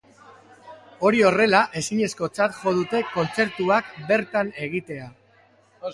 Hori horrela, ezinezkotzat jo dute kontzertuak bertan egitea.